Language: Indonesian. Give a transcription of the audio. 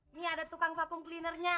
ini ada tukang vacuum cleanernya